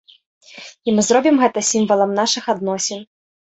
І мы зробім гэта сімвалам нашых адносін.